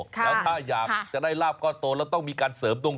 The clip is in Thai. แล้วถ้าอยากจะได้ลาบก้อนโตแล้วต้องมีการเสริมดวง